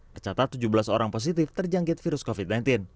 tercatat tujuh belas orang positif terjangkit virus covid sembilan belas